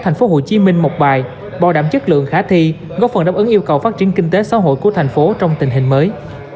tp hcm một bài bảo đảm chất lượng khá thi góp phần đáp ứng yêu cầu phát triển kinh tế xã hội của tp hcm trong tình hình mới